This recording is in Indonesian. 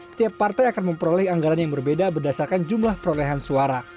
setiap partai akan memperoleh anggaran yang berbeda berdasarkan jumlah perolehan suara